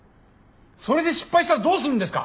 それで失敗したらどうするんですか？